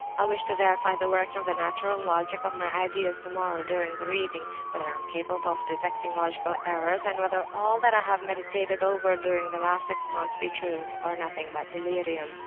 I wish to verify the working of the natural logic of my ideas tomorrow during the reading—whether I am capable of detecting logical errors, and whether all that I have meditated over during the last six months be true, or nothing but delirium.